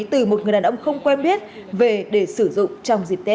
từ một người đàn ông không quen biết về để sử dụng trong dịp tết